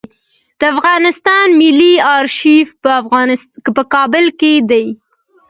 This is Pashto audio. د افغانستان ملي آرشیف په کابل کې دی